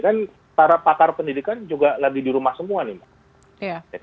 kan para pakar pendidikan juga lagi di rumah semua nih mbak